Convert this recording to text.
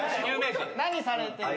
何されてる方？